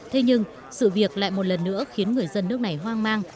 thế nhưng sự việc lại một lần nữa khiến người dân nước này hoang mang